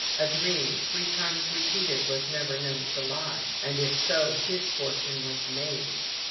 A dream, three times repeated, was never known to lie; and if so, his fortune was made.